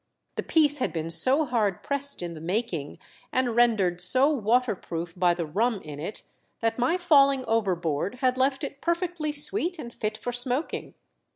The piece had been so hard pressed in the making, and rendered so water proof by the rum in it, that my falling overboard had left it perfectly sweet and fit for smoking.